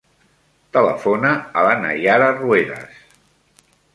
Telefona a la Naiara Ruedas.